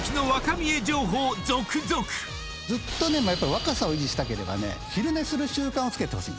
若さを維持したければね昼寝する習慣をつけてほしい。